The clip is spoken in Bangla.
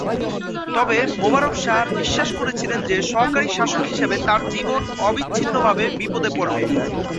তবে মোবারক শাহ বিশ্বাস করেছিলেন যে সহকারী শাসক হিসাবে তাঁর জীবন অবিচ্ছিন্নভাবে বিপদে পড়বে।